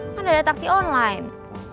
kan ada taksi online